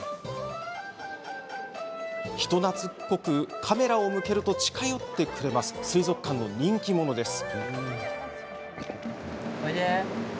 人なつっこくカメラを向けると近寄ってくれる水族館の人気者です。